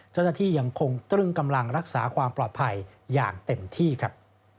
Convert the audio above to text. เจ้าหน้าที่ยังคงตรึงกำลังรักษาความปลอดภัยอย่างเต็มที่ครับ